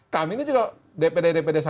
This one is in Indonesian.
kami ini juga dpd dpd satu